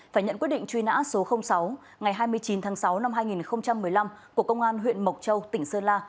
phải nhận quyết định truy nã số sáu ngày hai mươi chín tháng sáu năm hai nghìn một mươi năm của công an huyện mộc châu tỉnh sơn la